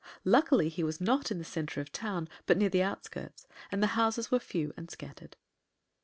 Luckily, he was not in the center of the town, but near the outskirts, and the houses were few and scattered.